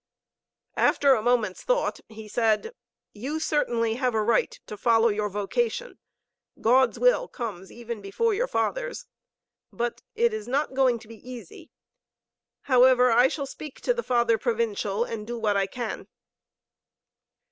After a moment's thought, he said: "You certainly have a right to follow your vocation. God's will comes before even your father's. But it is not going to be easy. However, I shall speak to the Father Provincial, and do what I can."